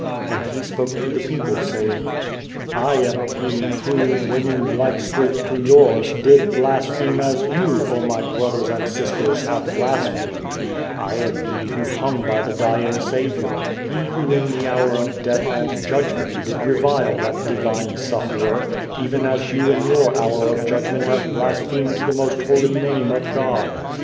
And he spoke to the people, saying :'* I am he who, when in like straits to yours, did blaspheme as you, O my brothers and sisters, have blasphemed ; I am he who hung by the dying Saviour he who in the hour of death and judgment did revile that Divine Sufferer, even as you in your hour of judgment have blasphemed the most Holy Name of God.